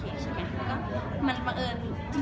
เห็นวิดีโอเราก็เป็นคนถือเค้ง